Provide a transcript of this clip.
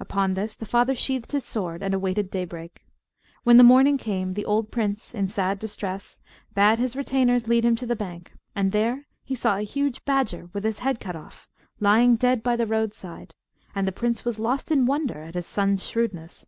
Upon this the father sheathed his sword, and awaited daybreak. When the morning came, the old prince, in sad distress, bade his retainers lead him to the bank; and there he saw a huge badger, with his head cut off, lying dead by the roadside; and the prince was lost in wonder at his son's shrewdness.